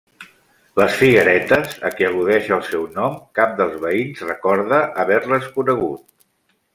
Les figueretes, a què al·ludeix el seu nom, cap dels veïns recorda haver-les conegut.